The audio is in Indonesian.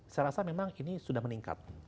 saya rasa memang ini sudah meningkat